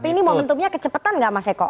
tapi ini momentumnya kecepatan nggak mas eko